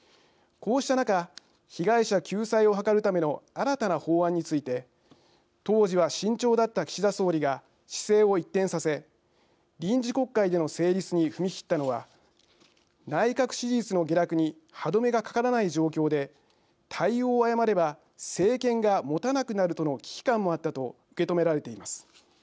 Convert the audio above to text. こうした中被害者救済を図るための新たな法案について当時は慎重だった岸田総理が姿勢を一転させ、臨時国会での成立に踏み切ったのは内閣支持率の下落に歯止めがかからない状況で対応を誤れば政権がもたなくなるとの危機感もあったと受け止められています。